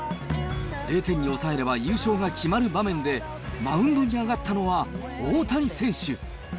０点に抑えれば優勝が決まる場面で、マウンドに上がったのは大谷選手。